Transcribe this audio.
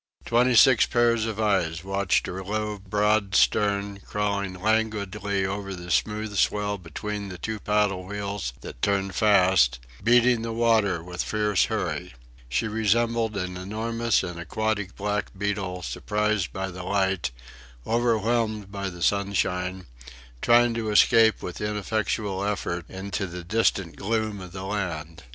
Twenty six pairs of eyes watched her low broad stern crawling languidly over the smooth swell between the two paddle wheels that turned fast, beating the water with fierce hurry. She resembled an enormous and aquatic black beetle, surprised by the light, overwhelmed by the sunshine, trying to escape with ineffectual effort into the distant gloom of the land.